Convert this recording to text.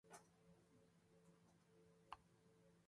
お疲れ様です。いつもありがとうございます。